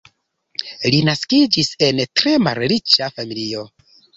Li naskiĝis en tre malriĉa familio.